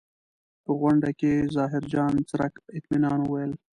په غونډه کې ظاهرجان څرک اطمنان وویل.